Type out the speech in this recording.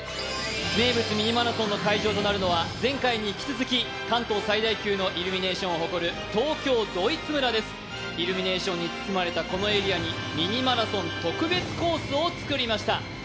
名物「ミニマラソン」の会場となるのは前回に引き続き関東最大級のイルミネーションを誇る東京ドイツ村です、イルミネーションに包まれたこのエリアに「ミニマラソン」特別コースを作りました。